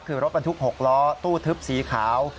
คือรถบรรทุก๖ล้อตู้ทึบสีขาว